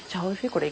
これ。